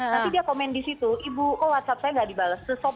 nanti dia komen di situ ibu oh whatsapp saya nggak dibales